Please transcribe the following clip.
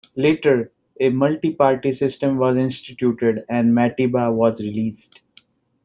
Later, a multiparty system was instituted and Matiba was released.